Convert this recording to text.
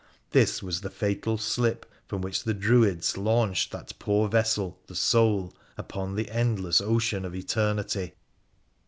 This was the fatal slip from which the Druids launched that poor vessel, the soul, upon the endless ocean of eternity.